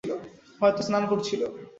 হয়তো স্নান করছিলো।